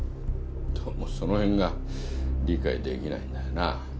どうもその辺が理解できないんだよなあ。